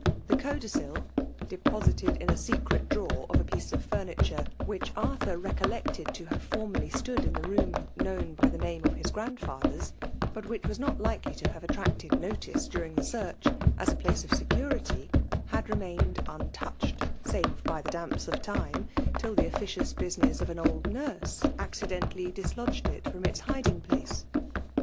The codicil, (depo^ sited in a secret drawer of a piece of fomitiire which Arthur recollected to liave formeriy stood in the room^ known by the name of his grandfather s, but which was not likely to hare attracted notice during the search^ as a place of security) had remained imtonched saive by FEMALE DOMINATION. 59 the datmps of time, till the officious business of an old nnrae accidentally dislodged it irom its hiding place